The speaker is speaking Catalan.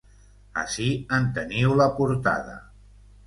Ací en teniu la portada.